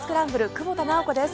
久保田直子です。